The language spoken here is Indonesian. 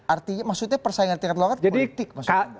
artinya maksudnya persaingan di tingkat lokal itu politik maksudnya